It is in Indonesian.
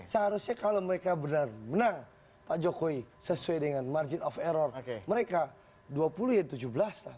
seharusnya kalau mereka benar menang pak jokowi sesuai dengan margin of error mereka dua puluh ya tujuh belas lah